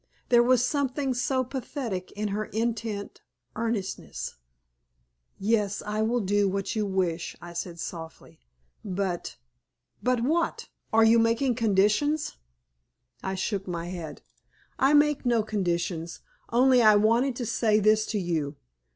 There was something so pathetic in her intense earnestness. "Yes, I will do what you wish," I said, softly; "but " "But what? Are you making conditions?" I shook my head. "I make no conditions. Only I wanted to say this to you.